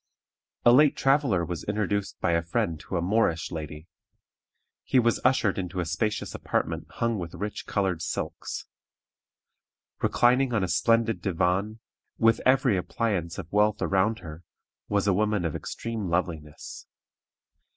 A late traveler was introduced by a friend to a "Moorish lady." He was ushered into a spacious apartment hung with rich colored silks. Reclining on a splendid divan, with every appliance of wealth around her, was a woman of extreme loveliness.